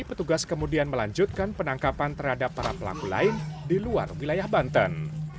petugas kemudian melanjutkan penangkapan terhadap para pelaku lain di luar wilayah banten